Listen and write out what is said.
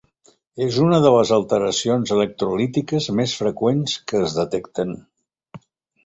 És una de les alteracions electrolítiques més freqüents que es detecten.